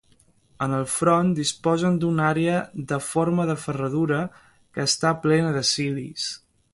En el front disposen d'una àrea en forma de ferradura que està plena de cilis.